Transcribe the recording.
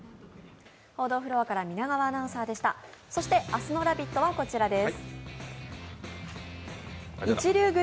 そして明日の「ラヴィット！」はこちらです。